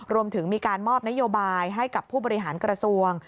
รวมถึงมีการมอบนโยบายให้กับผู้บริหารกระทรวง